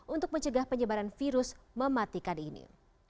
untuk mencegah penyebaran virus mematikan ini